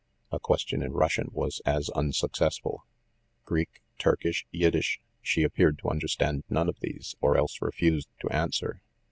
A question in Russian was as unsuccessful. Greek, Turkish, Yiddish, ‚ÄĒ she appeared to understand none of these, or else refused to answer.